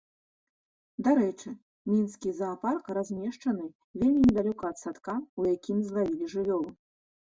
Дарэчы, мінскі заапарк размешчаны вельмі недалёка ад садка, у якім злавілі жывёлу.